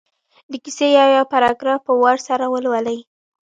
د کیسې یو یو پراګراف په وار سره ولولي.